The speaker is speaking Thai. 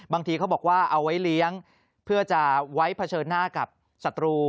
บางทีเขาบอกว่าเอาไว้เลี้ยงเพื่อจะไว้เผชิญหน้ากับศัตรู